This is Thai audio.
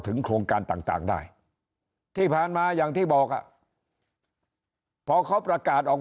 โครงการต่างได้ที่ผ่านมาอย่างที่บอกอ่ะพอเขาประกาศออก